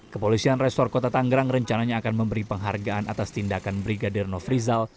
kepolisian resor kota tanggerang rencananya akan memberi penghargaan atas tindakan brigadir nofrizal